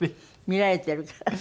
見られてるから？